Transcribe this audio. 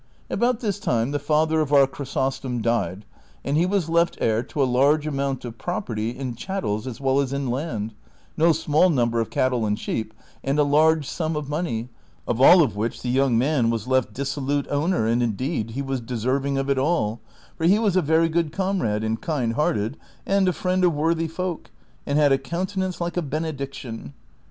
About this time the father of our Chrysostom died, and he was left heir to a large amount of property in chattels as well as in land, no small number of cattle and sheep, and a large sum of money, of all of which the young man was left dissolute owner, and indeed he was deserving of it all, for he was a very good comrade, and kind hearted, and a friend of worthy folk, and had a countenance like a benediction.